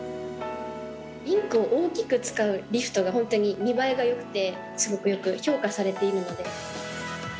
リンクを大きく使うリフトが、本当に見栄えがよくて、すごくよく評価されているので。